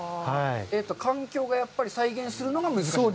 環境がやっぱり再現するのが難しいと。